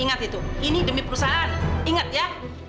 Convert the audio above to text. ingat itu ini demi perusahaan ingat ya